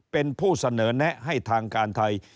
เป็นผู้เสนอแนะให้ทางการไทย